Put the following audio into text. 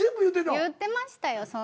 言ってましたよ